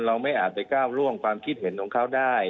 เราไม่อาจไปก้าวล่วงความคิดเห็นของเขาได้